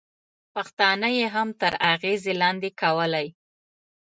پښتانه یې هم تر اغېزې لاندې کولای.